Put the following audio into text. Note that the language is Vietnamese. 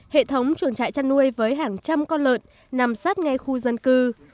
hệ thống chuồng trại chăn nuôi với hàng trăm con lợn nằm sát ngay khu dân cư